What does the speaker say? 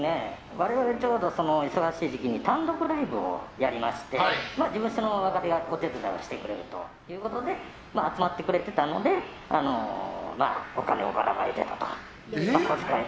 我々ちょうど忙しい時に単独ライブをやりまして事務所の若手もお手伝いをしてくれるということで集まっていたのでお金をばらまいてとか。